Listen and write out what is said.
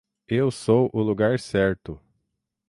Eu sou o lugar certo.